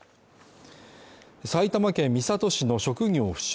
埼玉県三郷市の職業不詳